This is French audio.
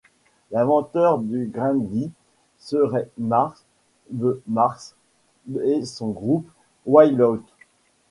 L'inventeur du grindie serait Marv The Marsh et son groupe Why Lout.